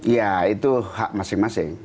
ya itu hak masing masing